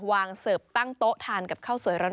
เสิร์ฟตั้งโต๊ะทานกับข้าวสวยร้อน